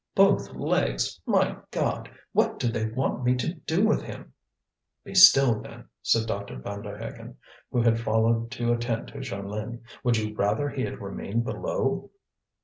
Both legs! My God! What do they want me to do with him?" "Be still, then," said Dr. Vanderhaghen, who had followed to attend to Jeanlin. "Would you rather he had remained below?"